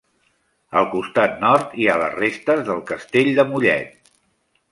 Al costat nord hi ha les restes del Castell de Mollet.